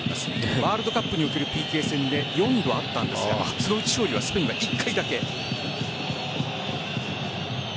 ワールドカップにおけるＰＫ戦４度あったんですがそのうち勝利はスペインは１回だけ。